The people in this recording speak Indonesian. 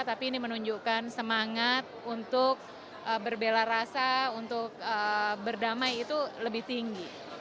tapi ini menunjukkan semangat untuk berbela rasa untuk berdamai itu lebih tinggi